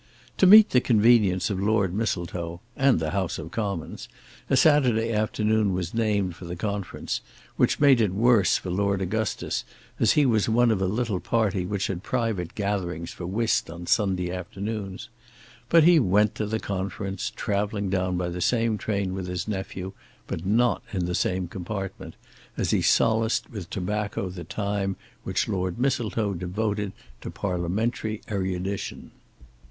To meet the convenience of Lord Mistletoe, and the House of Commons a Saturday afternoon was named for the conference, which made it worse for Lord Augustus as he was one of a little party which had private gatherings for whist on Sunday afternoons. But he went to the conference, travelling down by the same train with his nephew; but not in the same compartment, as he solaced with tobacco the time which Lord Mistletoe devoted to parliamentary erudition.